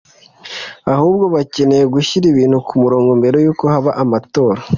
ahubwo bakeneye gushyira ibintu ku murongo mbere y’uko haba amatora